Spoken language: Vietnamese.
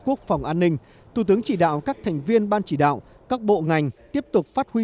quốc phòng an ninh thủ tướng chỉ đạo các thành viên ban chỉ đạo các bộ ngành tiếp tục phát huy